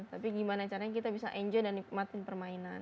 tapi gimana caranya kita bisa enjoy dan nikmatin permainan